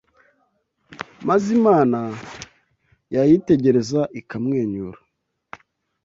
maze Imana yayitegereza ikamwenyura